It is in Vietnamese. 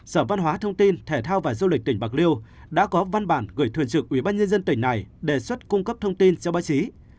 sở văn hóa thông tin thể thao và du lịch tỉnh bạc liêu đã có văn bản gửi thuyền trưởng ubnd tỉnh này đề xuất cung cấp thông tin cho báo chí